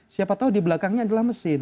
siapa tahu di belakangnya adalah mesin